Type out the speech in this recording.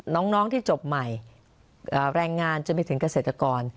น้องที่จบใหม่แรงงานจนไปถึงเกษตรกร